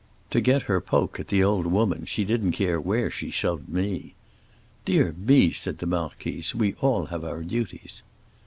To get her poke at the old woman she didn't care where she shoved me. 'Dear me,' said the marquise, 'we all have our duties.